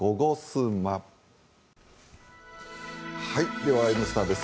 では、「Ｎスタ」です。